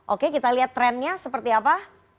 oke kita lihat trennya seperti apa